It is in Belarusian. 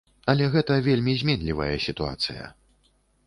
Але гэта вельмі зменлівая сітуацыя.